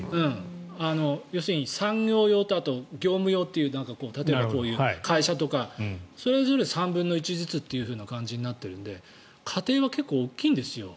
要するに産業用と業務用という例えばこういう会社とかそれぞれ３分１ずつとなっているので家庭は結構大きいんですよ。